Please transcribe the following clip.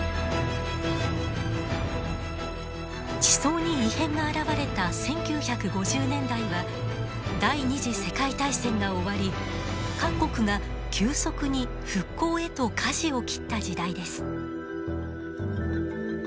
地層に異変が現れた１９５０年代は第２次世界大戦が終わり各国が急速に復興へとかじを切った時代です。